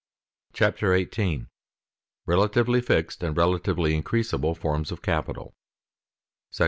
CHAPTER 18 RELATIVELY FIXED AND RELATIVELY INCREASABLE FORMS OF CAPITAL § I.